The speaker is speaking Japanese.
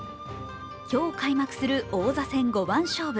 今日開幕する王座戦五番勝負。